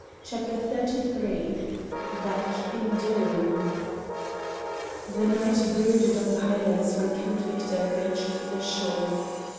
CHAPTER XXXIII BACK IN DOOM The night brooded on the Highlands when Count Victor reached the shore.